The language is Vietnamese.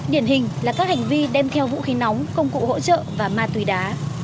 điển hình là các hành vi đem theo vũ khí nóng công cụ hỗ trợ và ma túy đá